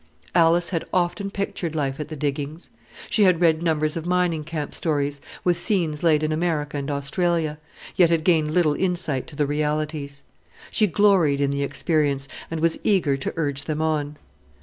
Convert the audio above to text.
Alice had often pictured life at the diggings. She had read numbers of mining camp stories, with scenes laid in America and Australia, yet had gained little insight to the realities. She gloried in the experience, and was eager to urge them on.